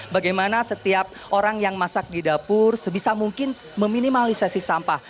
bagaimana setiap orang yang masak di dapur sebisa mungkin meminimalisasi sampah